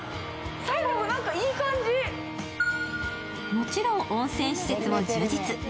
もちろん温泉施設も充実。